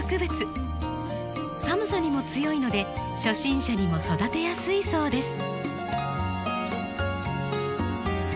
寒さにも強いので初心者にも育てやすいそうです。